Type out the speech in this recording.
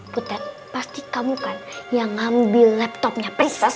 butat pasti kamu kan yang ngambil laptopnya prisus